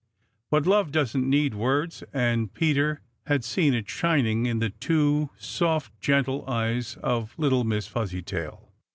But love doesn't need words, and Peter had seen it shining in the two soft, gentle eyes of little Miss Fuzzytail.